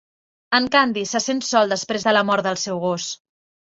En Candy se sent sol després de la mort del seu gos.